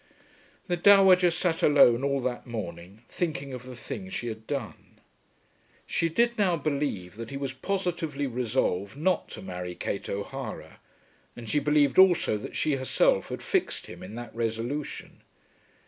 The dowager sat alone all that morning thinking of the thing she had done. She did now believe that he was positively resolved not to marry Kate O'Hara, and she believed also that she herself had fixed him in that resolution.